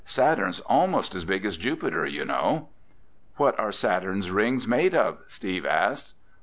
Saturn's almost as big as Jupiter, you know." "What are Saturn's rings made of?" Steve asked.